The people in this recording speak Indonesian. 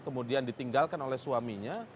kemudian ditinggalkan oleh suaminya